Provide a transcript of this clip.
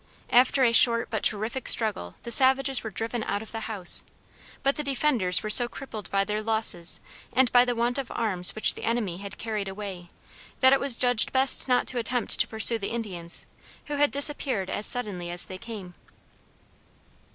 After a short but terrific struggle, the savages were driven out of the house, but the defenders were so crippled by their losses and by the want of arms which the enemy had carried away, that it was judged best not to attempt to pursue the Indians, who had disappeared as suddenly as they came.